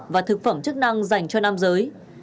và thực phẩm chức năng dành cho nam giới